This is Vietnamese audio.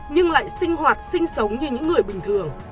nhưng lại sinh hoạt sinh sống như những người bình thường